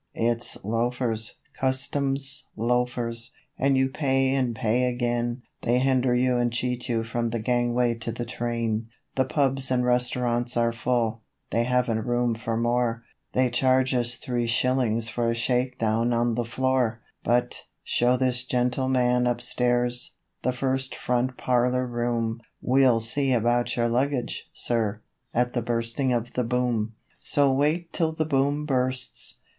It's loafers Customs loafers and you pay and pay again; They hinder you and cheat you from the gangway to the train; The pubs and restaurants are full they haven't room for more; They charge us each three shillings for a shakedown on the floor; But, 'Show this gentleman upstairs the first front parlour room. We'll see about your luggage, sir' at the Bursting of the Boom. So wait till the Boom bursts!